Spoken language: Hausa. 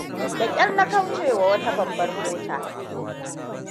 Da kyar na kaucewa wata babbar mota.